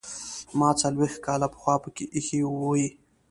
ما څلوېښت کاله پخوا پکې ایښې وې.